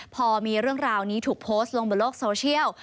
พอมีเรื่องราวนี้ถูกโพสต์ลงบนโลกโซเชียล